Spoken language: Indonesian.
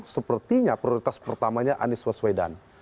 sepertinya prioritas pertamanya anies baswedan